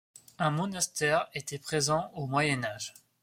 Un monastère était présent au Moyen Âge.